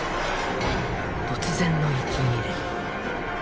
突然の息切れ。